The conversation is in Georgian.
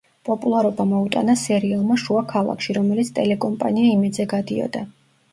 პოპულარობა მოუტანა სერიალმა „შუა ქალაქში“, რომელიც ტელეკომპანია „იმედზე“ გადიოდა.